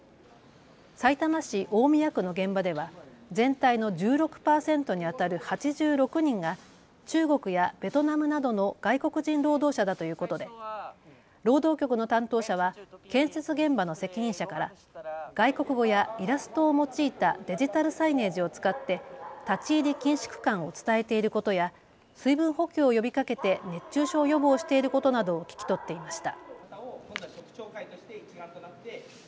さいたま市大宮区の現場では全体の１６％にあたる８６人が中国やベトナムなどの外国人労働者だということで労働局の担当者は建設現場の責任者から外国語やイラストを用いたデジタルサイネージを使って立ち入り禁止区間を伝えていることや水分補給を呼びかけて熱中症予防をしていることなどを聞き取っていました。